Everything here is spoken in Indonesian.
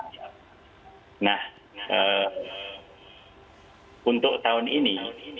nah untuk tahun ini